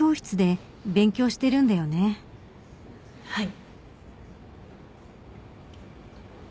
はい。